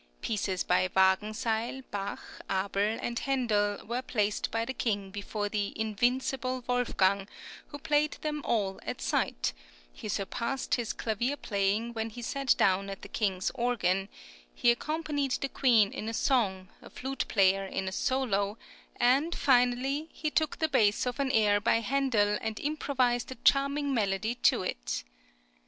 Pieces by Wagenseil, Bach, Abel, and Handel were placed by the King before the "invincible" Wolfgang, who played them all at sight; he surpassed his clavier playing when he sat down to the King's organ; he accompanied the Queen in a song, a flute player in a solo, and, finally, he took the bass of an air by Handel and improvised a charming melody to it.